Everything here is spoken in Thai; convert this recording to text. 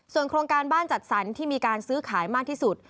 ส่วนโครงการบ้านจัดสรรที่มีการซื้อขายมากที่สุด